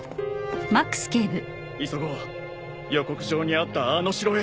急ごう予告状にあったあの城へ。